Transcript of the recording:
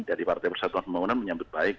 dari partai persatuan pembangunan menyambut baik